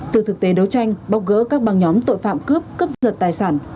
từ thực tế đấu tranh bóc gỡ các băng nhóm tội phạm cướp cướp giật tài sản